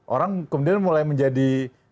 orang kemudian mulai menjadi